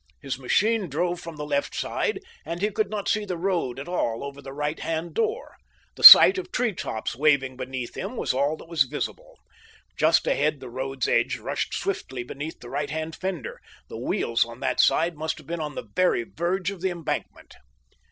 His machine drove from the left side, and he could not see the road at all over the right hand door. The sight of tree tops waving beneath him was all that was visible. Just ahead the road's edge rushed swiftly beneath the right hand fender; the wheels on that side must have been on the very verge of the embankment.